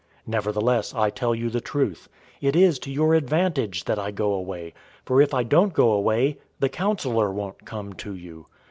016:007 Nevertheless I tell you the truth: It is to your advantage that I go away, for if I don't go away, the Counselor won't come to you.